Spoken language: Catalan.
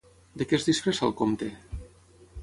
De què es disfressa el Comte?